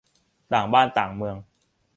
ต่างบ้านต่างเมือง